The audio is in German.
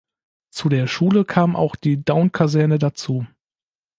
Zu der Schule kam auch die Daun-Kaserne dazu.